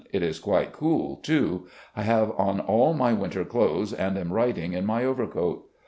It is quite cool, too. I have on aU my winter clothes and am writing in my overcoat.